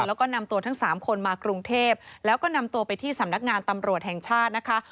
แล้วก็นำตัวทั้งสามคนมากรุงเทพแล้วก็นำตัวไปที่สำนักงานตำรวจแห่งชาตินะคะ